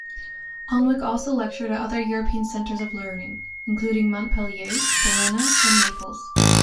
Alnwick also lectured at other European centres of learning, including Montpellier, Bologna and Naples.